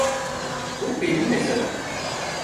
Bu benim meselem.